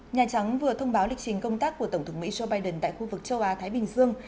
nhà trắng vừa thông báo lịch trình công tác của tổng thống mỹ joe biden tại khu vực châu á thái bình dương